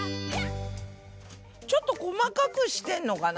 ちょっと細かくしてんのかな？